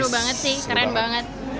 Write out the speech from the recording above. seru banget sih keren banget